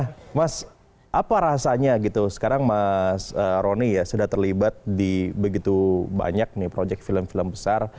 nah mas apa rasanya gitu sekarang mas rony ya sudah terlibat di begitu banyak nih project film film besar